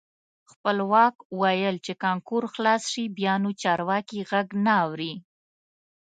خپلواک ویل چې کانکور خلاص شي بیا نو چارواکي غږ نه اوري.